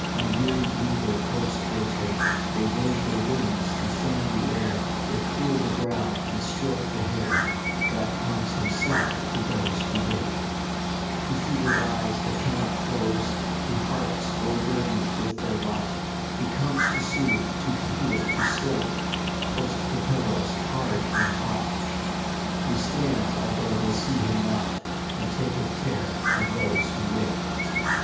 Unweariedly their post they take, They wave their wings to fan the air, They cool the brow and stroke the hair, God comes himself to those who wake. SLEEPING AND WAKING. 189 To fevered eyes that cannot close, To hearts o erburdened with their lot, He comes to soothe, to heal, to slake ; Close to the pillows hard and hot He stands, although they see him not, And taketh care of those who wake.